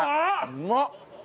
うまっ！